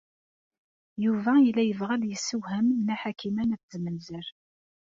Yuba yella yebɣa ad yessewhem Nna Ḥakima n At Zmenzer.